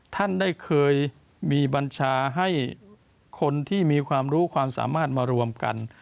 ท่านได้เคยมีบัญชาให้คนที่มีความรู้ความสามารถมารวมกัน